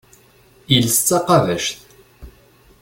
Iles d taqabact.